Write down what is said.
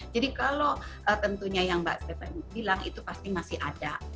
jadi kalau tentunya yang mbak stephanie bilang itu pasti masih ada